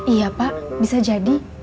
iya pak bisa jadi